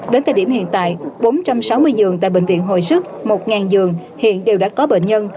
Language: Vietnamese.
đến thời điểm hiện tại bốn trăm sáu mươi giường tại bệnh viện hội sức mục ngàn dương hiện đều đã có bệnh nhân